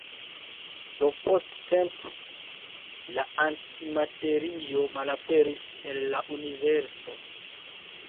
Do post tempo la antimaterio malaperis el la universo.